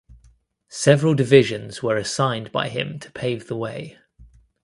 Several divisions were assigned by him to pave the way.